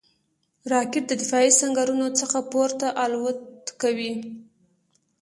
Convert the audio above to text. راکټ د دفاعي سنګرونو څخه پورته الوت کوي